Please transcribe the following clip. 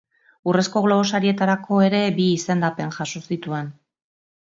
Urrezko Globo Sarietarako ere bi izendapen jaso zituen.